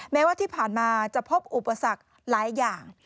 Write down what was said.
แม้ว่าที่ผ่านมาจะพบอุปสรรคหลายอย่าง